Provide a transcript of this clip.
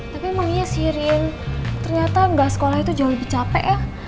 tapi emangnya sih rin ternyata belas sekolah itu jauh lebih capek ya